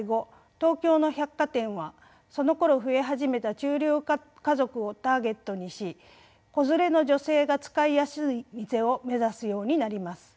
東京の百貨店はそのころ増え始めた中流家族をターゲットにし子連れの女性が使いやすい店を目指すようになります。